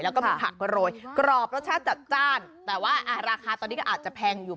แล้วก็มีผักโรยกรอบรสชาติจัดจ้านแต่ว่าราคาตอนนี้ก็อาจจะแพงอยู่